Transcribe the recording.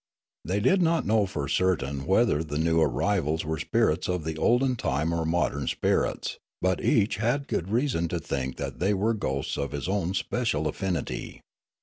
They did not know for certain whether the new arrivals were spirits of the olden time or modern spirits ; but each had good reason to think that they were ghosts of his own special affinity.